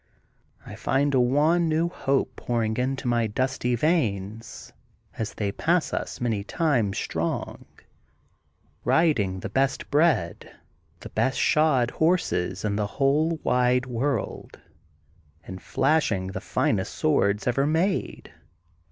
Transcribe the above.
'' I find a wan new hope pouring into my dusty veins as they pass us many thousand strong, riding the best bred, the best shod horses in the whole wide world, and flashing the finest swords ever made.